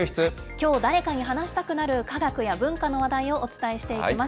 きょう誰かに話したくなる科学や文化の話題をお伝えしていきます。